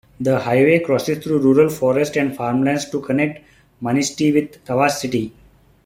The highway crosses through rural forest and farmlands to connect Manistee with Tawas City.